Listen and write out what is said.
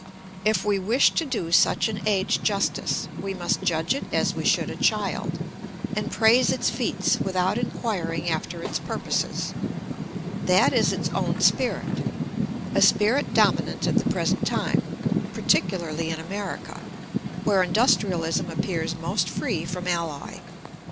If we wish to do such an age justice we must judge it as we should a child and praise its feats without inquiring after its purposes. That is its own spirit: a spirit dominant at the present time, particularly in America, where industrialism appears most free from alloy.